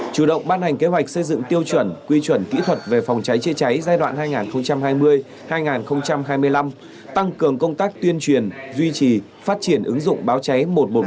chủ động ban hành kế hoạch xây dựng tiêu chuẩn quy chuẩn kỹ thuật về phòng cháy chữa cháy giai đoạn hai nghìn hai mươi hai nghìn hai mươi năm tăng cường công tác tuyên truyền duy trì phát triển ứng dụng báo cháy một trăm một mươi một